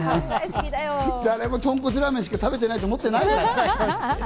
誰もとんこつラーメンしか食べてないと思ってないから。